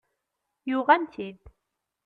Yuɣ-am-t-id.